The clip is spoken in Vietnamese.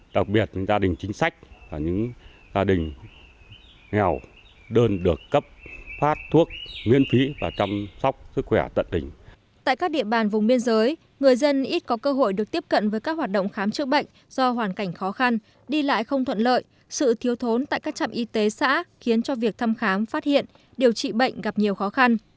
tại các địa bàn vùng biên giới người dân ít có cơ hội được tiếp cận với các hoạt động khám chữa bệnh do hoàn cảnh khó khăn đi lại không thuận lợi sự thiếu thốn tại các trạm y tế xã khiến cho việc thăm khám phát hiện điều trị bệnh gặp nhiều khó khăn